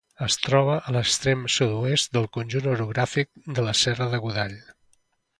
Es troba a l'extrem sud-oest del conjunt orogràfic de la Serra de Godall.